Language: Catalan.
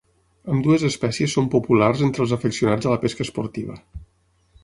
Ambdues espècies són populars entre els afeccionats a la pesca esportiva.